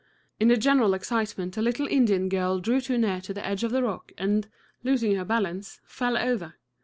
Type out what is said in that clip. In the general excitement a little Indian girl drew too near to the edge of the rock, and, losing her balance, fell over!